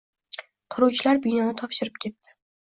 — Quruvchilar binoni topshirib ketdi.